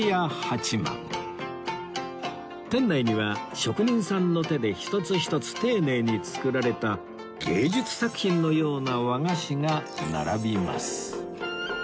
店内には職人さんの手で一つ一つ丁寧に作られた芸術作品のような和菓子が並びます